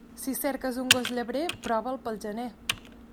Si cerques un gos llebrer, prova'l pel gener.